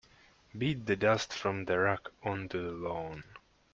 Beat the dust from the rug onto the lawn.